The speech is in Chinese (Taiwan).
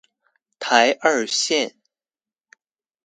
台二線